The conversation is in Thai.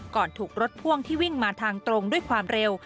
ถูกรถพ่วงที่วิ่งมาทางตรงด้วยความเร็ว